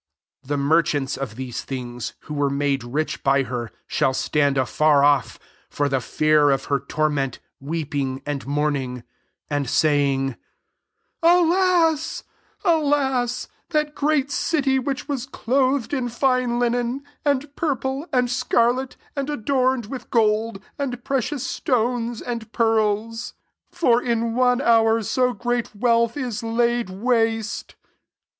15 The merchants of these things, who were made rich by her, shall stand a&r off, for the fear of her torment, weep ing and mourning, 16 [and] saying, ^ Alas, alas, that great city, which was clothed in fine linen, and purple, and scarlet, and adorned [vnth"] gold, and precious stones, and pearls ! 17 For in one hour so great wealth is laid waste.'